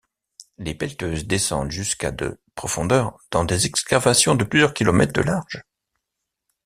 Les pelleteuses descendent jusqu'à de profondeur dans des excavations de plusieurs kilomètres de large.